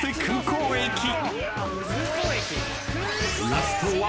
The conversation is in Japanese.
［ラストは］